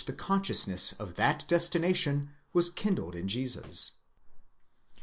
the consciousness of that destination was kindled in Jesus.?